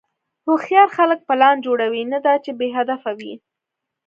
هوښیار خلک پلان جوړوي، نه دا چې بېهدفه وي.